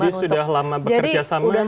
jadi sudah lama bekerja sama